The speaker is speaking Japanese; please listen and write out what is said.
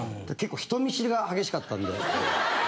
結構人見知りが激しかったんで。